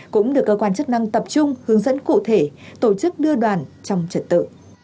cũng được cơ quan chức năng tập trung hướng dẫn cụ thể tổ chức đưa đoàn trong trật tự